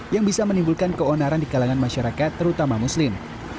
yang bisa menimbulkan keonaran di kalangan masyarakat terutama muslim